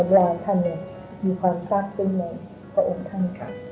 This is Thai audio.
ไปนะมีความทรัพย์ขึ้นในพระองค์ท่าน